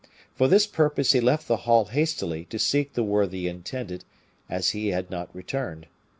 For this purpose he left the hall hastily to seek the worthy intendant, as he had not returned.